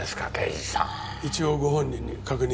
一応ご本人に確認を。